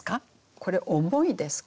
これ重いですか？